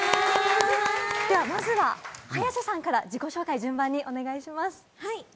まずは早瀬さんから自己紹介、順番にお願いします。